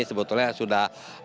sebetulnya sudah berhasil